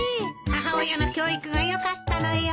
母親の教育がよかったのよ。